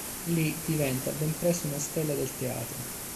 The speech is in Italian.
Lì, diventa ben presto una stella del teatro.